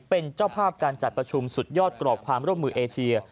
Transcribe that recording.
เป็นเจ้าภาพการจัดประชุมสุดยอดกรอบความร่วมมือเอเชีย